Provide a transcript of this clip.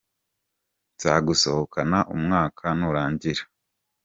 Nzagusohokana umwaka nurangira.